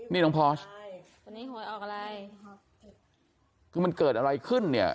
นี่น้องพอร์ชทุกอย่างออกอะไรคือเป็นเกิดอะไรขึ้นนี่